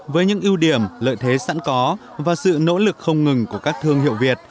với những ưu điểm lợi thế sẵn có và sự nỗ lực không ngừng của các thương hiệu việt